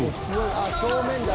あっ正面だ。